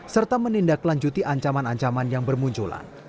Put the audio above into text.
serta menindaklanjuti ancaman ancaman yang bermunculan